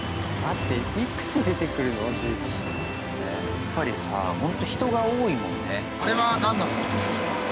やっぱりさホント人が多いもんね。